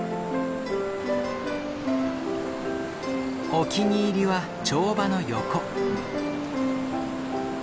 お気に入りは帳場の横。